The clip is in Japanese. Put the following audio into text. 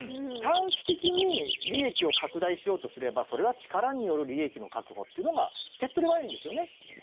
短期的に利益を拡大しようとすればそれは力による利益の確保というのが手っとり早いんですよね。